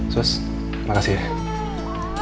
sus terima kasih ya